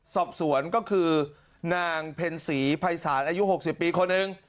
สอบสวนก็คือนางเพ็ญศรีภัยศาลอายุ๖๐ปีคนหนึ่ง